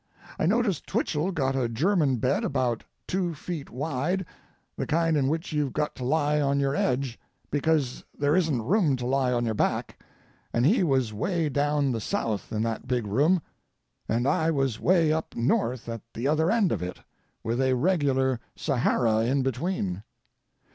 I noticed Twichell got a German bed about two feet wide, the kind in which you've got to lie on your edge, because there isn't room to lie on your back, and he was way down south in that big room, and I was way up north at the other end of it, with a regular Sahara in between.